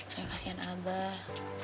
saya kasian abah